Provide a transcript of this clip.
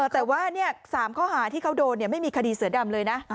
แต่ว่า๓ข้อหาที่เขาโดนไม่มีคดีเสือดำเลยนะ